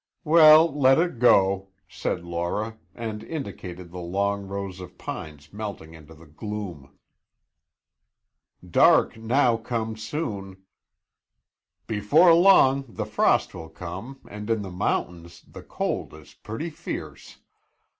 "We'll let it go," said Laura, and indicated the long rows of pines melting into the gloom. "Dark now comes soon." "Before long the frost will come and in the mountains the cold is pretty fierce.